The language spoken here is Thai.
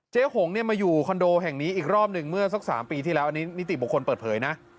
หงเนี่ยมาอยู่คอนโดแห่งนี้อีกรอบหนึ่งเมื่อสัก๓ปีที่แล้วอันนี้นิติบุคคลเปิดเผยนะ